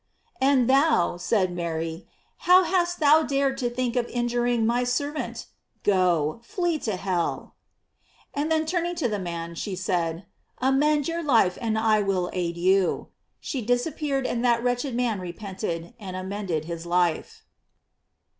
"And thou," said Mary, "how hast thou dared to think of injuring my servant? Go, flee to hell." And then turning to the man, she said: "Amend your life, and I will aid you." She disappeared, and that wretched man repented, and amended his life.